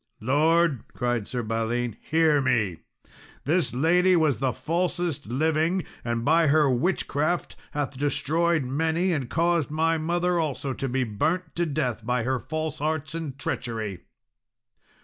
"Lord," cried Sir Balin, "hear me; this lady was the falsest living, and by her witchcraft hath destroyed many, and caused my mother also to be burnt to death by her false arts and treachery."